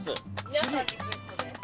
皆さんリクエストです。